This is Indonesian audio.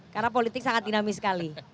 karena politik sangat dinamis sekali